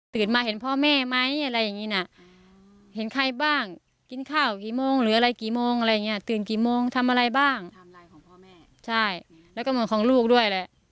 ตื่นมาเห็นพ่อแม่ไหมอะไรอย่างงี้ครับเห็นใครบ้างกินข้าวกี่โมงหรืออะไรกี่โมงอะไรยังงี้ตื่นกี่โมงทำอะไรบ้างใช่แล้วก็มันของลูกด้วยแหละ